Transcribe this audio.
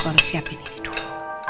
aku harus siapin ini dulu